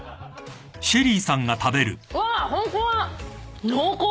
うわっホントだ！